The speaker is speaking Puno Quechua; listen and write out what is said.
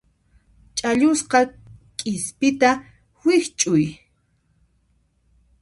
Chhallusqa qispita wikch'uy.